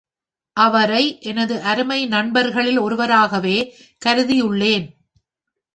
அவரை எனது அருமை நண்பர்களில் ஒருவராகவே கருதியுள்ளேன்.